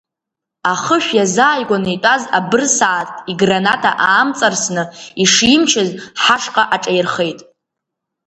Ахышә иазааигәаны итәаз абырсааҭк играната аамҵарсны ишимчыз ҳашҟа аҿаирхеит.